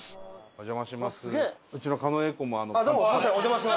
お邪魔します。